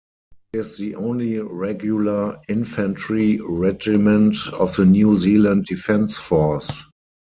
It is the only regular infantry regiment of the New Zealand Defence Force.